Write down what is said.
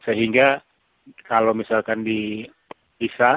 sehingga kalau misalkan dipisah